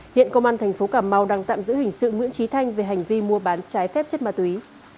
hiện công an tp hcm đang tạm giữ hình sự nguyễn trí thanh về hành vi mua bán trái phép chất ma túy